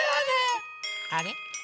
あれ？